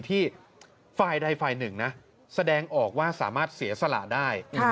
ที่ไฟล์ใดไฟล์๑แสดงออกว่าจะสามารถเสียสละได้